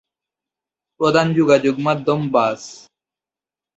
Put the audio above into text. প্রধান যোগাযোগ মাধ্যম বাস।